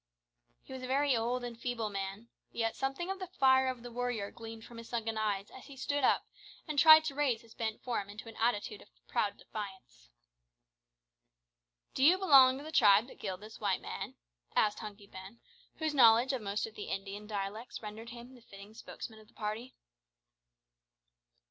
He was a very old and feeble man, yet something of the fire of the warrior gleamed from his sunken eyes as he stood up and tried to raise his bent form into an attitude of proud defiance. "Do you belong to the tribe that killed this white man?" said Hunky Ben, whose knowledge of most of the Indian dialects rendered him the fitting spokesman of the party.